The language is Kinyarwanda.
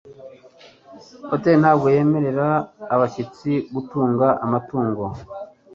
Hoteri ntabwo yemerera abashyitsi gutunga amatungo